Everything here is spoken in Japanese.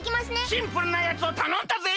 シンプルなやつをたのんだぜ！